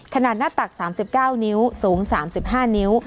ขนาดหน้าตัก๓๙นิ้วสูง๓๕นิ้ว